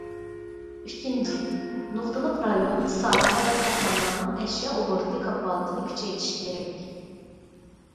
ئۈچىنچى، نۇقتىلىق رايون، ساھە ۋە كارخانىلارنىڭ ئەشيا ئوبوروتى كاپالىتىنى كۈچەيتىش كېرەك.